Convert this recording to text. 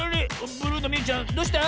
ブルーのみゆちゃんどうした？